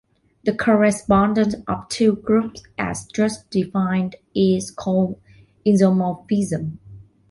The correspondence of two groups as just defined is called isomorphism.